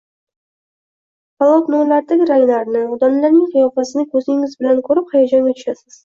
Polotnolardagi ranglarni, odamlarning qiyofasini ko’zingiz bilan ko’rib, hayajonga tushasiz.